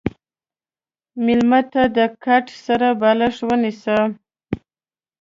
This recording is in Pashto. مېلمه ته د کټ سره بالښت ونیسه.